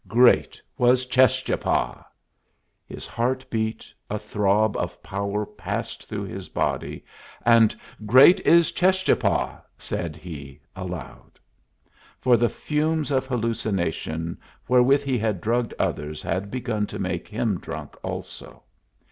Great was Cheschapah! His heart beat, a throb of power passed through his body, and "Great is Cheschapah!" said he, aloud; for the fumes of hallucination wherewith he had drugged others had begun to make him drunk also.